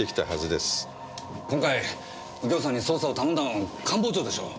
今回右京さんに捜査を頼んだの官房長でしょ？